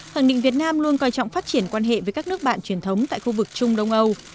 khẳng định việt nam luôn coi trọng phát triển quan hệ với các nước bạn truyền thống tại khu vực trung đông âu